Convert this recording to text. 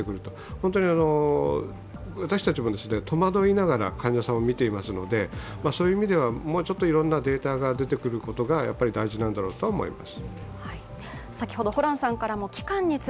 本当に私たちも戸惑いながら患者さんを見ていますのでもうちょっといろんなデータが出てくることが大事なんだろうと思います。